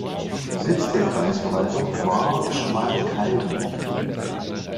Sitz der Kreisverwaltung war Schmalkalden.